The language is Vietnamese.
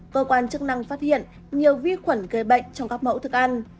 cơ quan chức năng phát hiện nhiều vi khuẩn gây bệnh trong các mẫu thức ăn